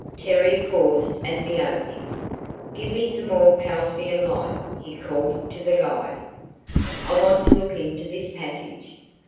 Terry paused at the opening. "Give me some more calcium light," he called to the guide. "I want to look into this passage.